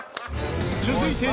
続いて。